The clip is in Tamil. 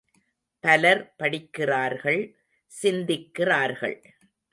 பலர் படிக்கிறார்கள் சிந்திக்கிறார்கள்.